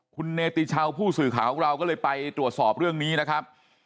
คุณเนติชาวผู้สื่อข่าวของเราก็เลยไปตรวจสอบเรื่องนี้นะครับ